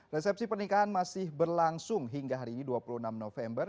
resepsi pernikahan masih berlangsung hingga hari ini dua puluh enam november